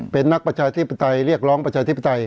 เป็นนักประชาธิปไตยเรียกร้องประชาธิปไตย